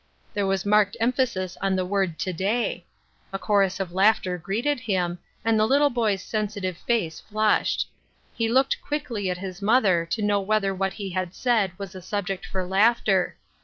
There was marked emphasis on the word "to day." A chorus of laughter greeted him, and the little boy's sensitive face flushed. He looked quickly at his mother to know whether what he had said was a subject for laughter.